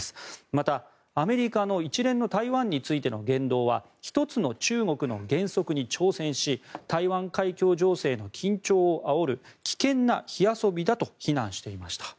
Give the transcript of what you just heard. また、アメリカの一連の台湾についての言動は一つの中国の原則に挑戦し台湾海峡情勢の緊張をあおる危険な火遊びだと非難していました。